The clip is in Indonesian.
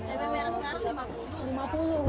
cabai merah sekarang lima puluh ribu